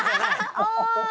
おい。